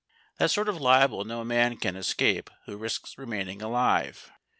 That sort of libel no man can escape who risks remaining alive.